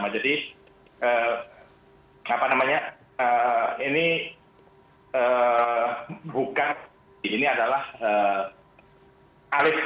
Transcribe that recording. jadi apa namanya ini bukan ini adalah alis status